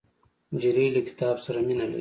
نجلۍ له کتاب سره مینه لري.